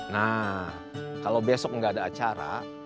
nah kalau besok nggak ada acara